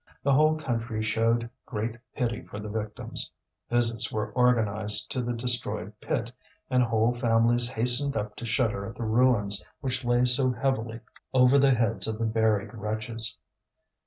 The whole country showed great pity for the victims; visits were organized to the destroyed pit, and whole families hastened up to shudder at the ruins which lay so heavily over the heads of the buried wretches.